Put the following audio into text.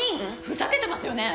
ふざけてますよね。